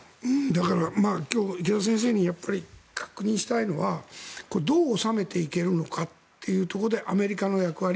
だから今日、池田先生に確認したいのはどう収めていけるのかというところでアメリカの役割